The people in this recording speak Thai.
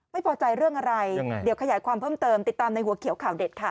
ไม่พอใจเรื่องอะไรยังไงเดี๋ยวขยายความเพิ่มเติมติดตามในหัวเขียวข่าวเด็ดค่ะ